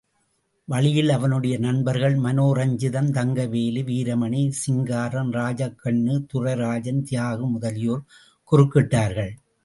வழியில் அவனுடைய நண்பர்கள் மனோரஞ்சிதம், தங்கவேலு, வீரமணி, சிங்காரம் ராஜாக்கண்ணு, துரைராசன், தியாகு முதலியோர் குறுக்கிட்டார்கள்.